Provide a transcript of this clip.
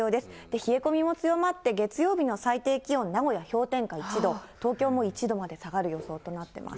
冷え込みも強まって、月曜日の最低気温、名古屋氷点下１度、東京も１度まで下がる予想となっています。